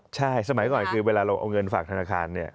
ใช่สมัยก่อนคือเวลาเราเอาเงินฝากธนาคารเนี่ย